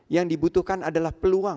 yang dibutuhkan adalah kemampuan